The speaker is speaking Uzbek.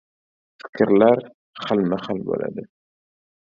• Fikrlar xilma-xil bo‘ladi.